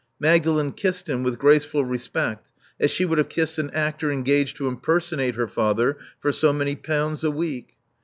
Magdalen kissed him with graceful respect, as she would have kissed an actor engaged to impersonate her father for so many pounds a week.